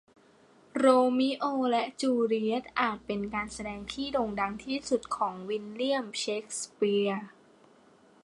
โรมิโอและจูเลียตอาจเป็นการแสดงที่โด่งดังที่สุดของวิลเลียมเชกสเปียร์